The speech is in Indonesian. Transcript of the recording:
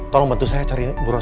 tolong bantu saya cari bu rosa